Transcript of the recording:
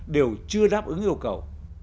đều chưa đáp ứng yêu cầu